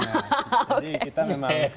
jadi kita memang